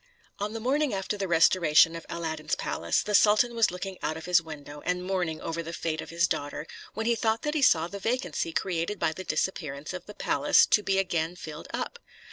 On the morning after the restoration of Aladdin's palace, the sultan was looking out of his window, and mourning over the fate of his daughter, when he thought that he saw the vacancy created by the disappearance of the palace to be again filled up.